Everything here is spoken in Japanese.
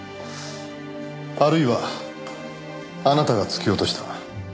あるいはあなたが突き落とした。